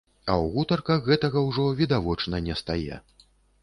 А ў гутарках гэтага ўжо відавочна нестае.